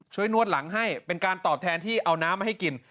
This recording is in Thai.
นวดหลังให้เป็นการตอบแทนที่เอาน้ำมาให้กิน